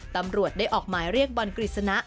ตำรวจได้ออกหมายเรียกบอลกฤษณะ